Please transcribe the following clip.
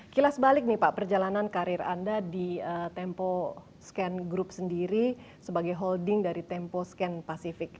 kilas balik nih pak perjalanan karir anda di temposcan group sendiri sebagai holding dari temposcan pacific